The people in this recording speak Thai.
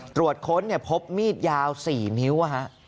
ตรวจค้นเนี่ยพบมีดยาว๔นิ้วอ่ะฮะ